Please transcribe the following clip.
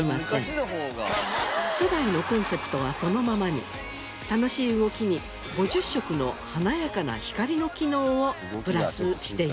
初代のコンセプトはそのままに楽しい動きに５０色の華やかな光の機能をプラスしているんです。